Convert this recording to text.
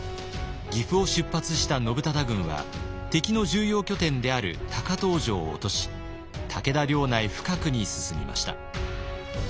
岐阜を出発した信忠軍は敵の重要拠点である高遠城を落とし武田領内深くに進みました。